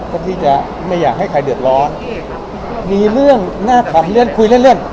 เพื่อที่จะไม่อยากให้ใครเดือดร้อนมีเรื่องน่าขำเล่นคุยเล่นเล่น